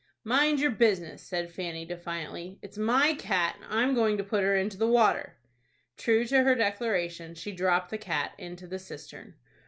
"Mind your business!" said Fanny, defiantly. "It's my cat, and I'm going to put her into the water." True to her declaration, she dropped the cat into the cistern.